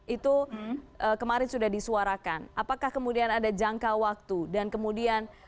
itu kemarin sudah disuarakan apakah kemudian ada jangka waktu dan kemudian